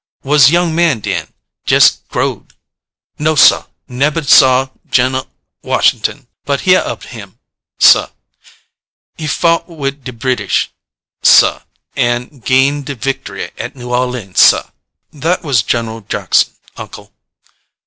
Was young man den, jes' growd. No, sah, nebah saw Gin'l Wash'tun, but heah ob him, sah: he fout wid de British, sah, an' gain de vic'try at New Orleans, sah." "That was General Jackson, uncle."